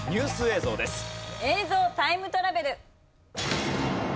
映像タイムトラベル！